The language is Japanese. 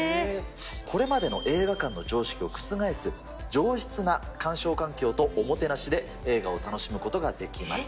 これまでの映画館の常識を覆す上質な鑑賞環境とおもてなしで映画を楽しむことができます。